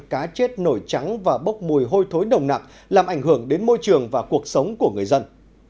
cá chết nổi trắng và bốc mùi hôi thối nồng nặng làm ảnh hưởng đến môi trường và cuộc sống của người dân